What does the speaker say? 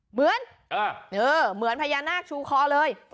เหมือนเหมือนพญานาคชูคอเลย